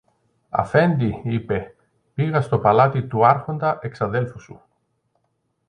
Αφέντη, είπε, πήγα στο παλάτι του Άρχοντα εξαδέλφου σου